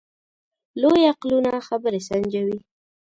لوی عقلونه خبرې سنجوي.